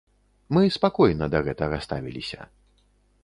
Мы спакойна да гэтага ставіліся.